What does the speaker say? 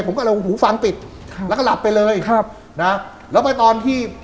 ผมก็เลยหูฟังปิดค่ะแล้วก็หลับไปเลยครับนะแล้วไปตอนที่